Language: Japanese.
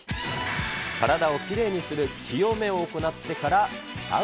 体をきれいにする清めを行っ